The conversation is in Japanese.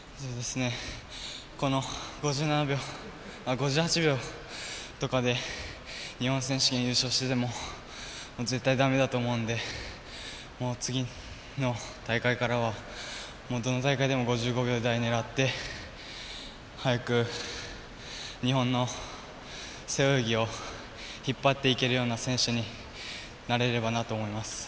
この５８秒とかで日本選手権優勝してても絶対だめだと思うんで次の大会からはどの大会でも５５秒台を狙って早く日本の背泳ぎを引っ張っていけるような選手になれればなと思います。